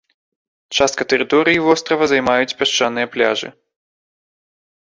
Частка тэрыторыі вострава займаюць пясчаныя пляжы.